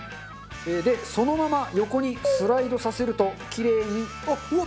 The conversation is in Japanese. でそのまま横にスライドさせるとキレイに。